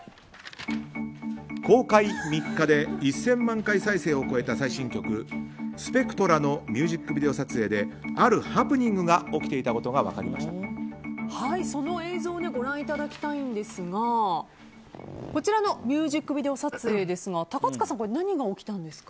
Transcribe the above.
公開３日で１０００万回再生を超えた最新曲「ＳＰＥＣＴＲＡ」のミュージックビデオ撮影であるハプニングがその映像をご覧いただきたいんですがこちらのミュージックビデオ撮影ですが高塚さん、これは何が起きたんですか？